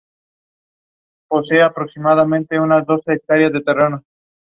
The city also has big food processing and light industry factories.